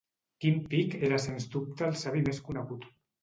Kim Peek era sens dubte el savi més conegut.